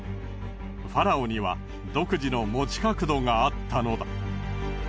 ファラオには独自の持ち角度があったのだ。